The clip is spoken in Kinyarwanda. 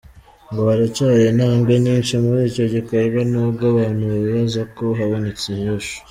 Ngo haracari intambwe nyinshi muri ico gikorwa n'ubwo abantu bibaza ko habonetse inyishu.